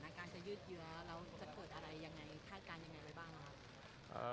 แล้วจะเกิดอะไรยังไงคาดการณ์ยังไงบ้างครับ